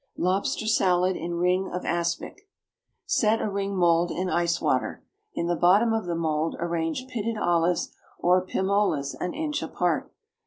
=Lobster Salad in Ring of Aspic.= Set a ring mould in ice water. In the bottom of the mould arrange pitted olives or pim olas an inch apart.